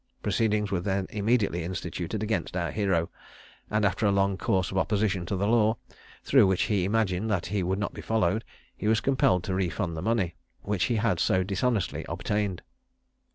Proceedings were then immediately instituted against our hero, and after a long course of opposition to the law, through which he imagined that he would not be followed, he was compelled to refund the money which he had so dishonestly obtained.